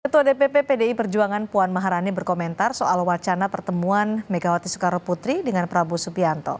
ketua dpp pdi perjuangan puan maharani berkomentar soal wacana pertemuan megawati soekarno putri dengan prabowo subianto